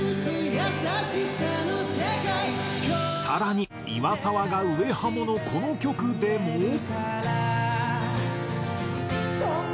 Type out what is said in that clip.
更に岩沢が上ハモのこの曲でも。